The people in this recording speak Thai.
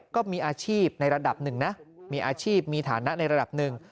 ก็มีอาชีพในระดับหนึ่งนะมีอาชีพมีฐานะในระดับหนึ่ง